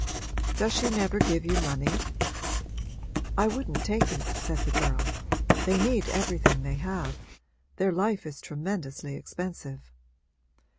'Does she never give you money?' 'I wouldn't take it,' said the girl. 'They need everything they have their life is tremendously expensive.'